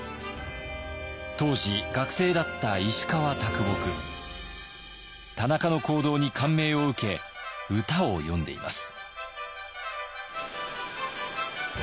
当時学生だった田中の行動に感銘を受け歌を詠んでいます。